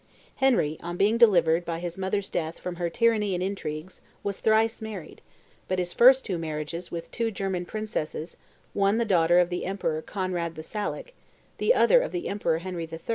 Henry, on being delivered by his mother's death from her tyranny and intrigues, was thrice married; but his first two marriages with two German princesses, one the daughter of the Emperor Conrad the Salic, the other of the Emperor Henry III.